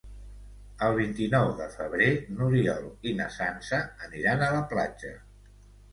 El vint-i-nou de febrer n'Oriol i na Sança aniran a la platja.